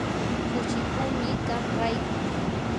kushikuumi qam rayku.